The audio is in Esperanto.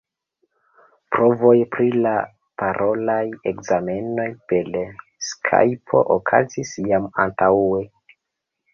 Provoj pri la parolaj ekzamenoj per Skajpo okazis jam antaŭe.